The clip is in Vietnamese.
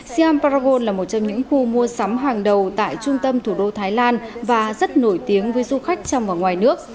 siam bragon là một trong những khu mua sắm hàng đầu tại trung tâm thủ đô thái lan và rất nổi tiếng với du khách trong và ngoài nước